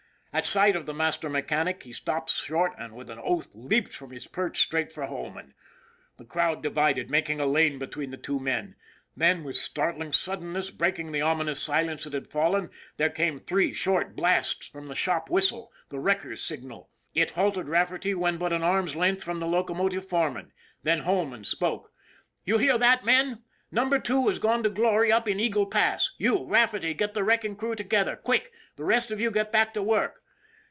At sight of the master mechanic he stopped short and with an oath leaped from his perch straight for Holman. The crowd divided, making a lane between the two men, then, with startling suddenness, breaking the ominous silence that had fallen, there came three short blasts from the shop whistle the wrecker's signal. It halted Rafferty when but an arm's length from the locomotive foreman. Then Holman spoke: " You hear that, men ? Number Two has gone to glory up in Eagle Pass. You, Rafferty, get the wreck ing crew together, quick! The rest of you get back to work."